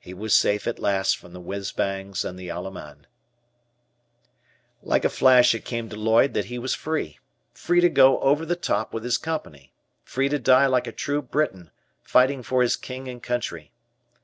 He was safe at last from the "whizzbangs" and the Allemand. Like a flash it came to Lloyd that he was free. Free to go "over the top" with his Company. Free to die like a true Briton fighting for his King and Country.